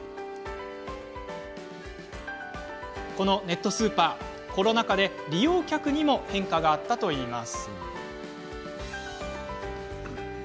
このネットスーパー、コロナ禍で利用客にも変化があったといいます。